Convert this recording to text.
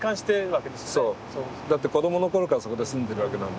だって子どもの頃からそこで住んでるわけなので。